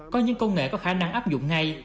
có những công nghệ có khả năng áp dụng ngay